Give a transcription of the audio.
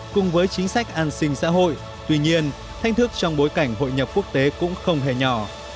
cùng với chính sách an sinh xã hội tuy nhiên thách thức trong bối cảnh hội nhập quốc tế cũng không hề nhỏ